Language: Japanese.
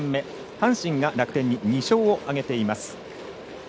阪神が楽天に２勝を挙げています。